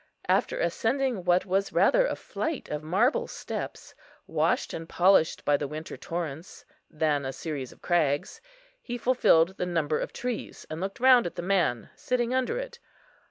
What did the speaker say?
After ascending what was rather a flight of marble steps, washed and polished by the winter torrents, than a series of crags, he fulfilled the number of trees, and looked round at the man sitting under it.